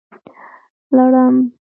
🦂 لړم